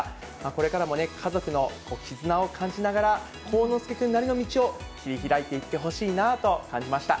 これからも家族の絆を感じながら、幸之助君なりの道を切り開いていってほしいなと感じました。